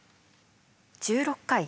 １６回？